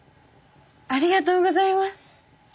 ありがとうございます。